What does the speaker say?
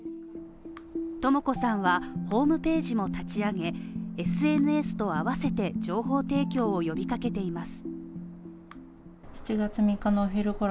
とも子さんはホームページも立ち上げ、ＳＮＳと併せて情報提供を呼びかけています。